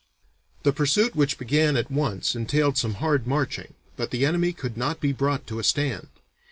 The pursuit which began at once entailed some hard marching, but the enemy could not be brought to a stand.